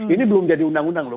ini belum jadi undang undang loh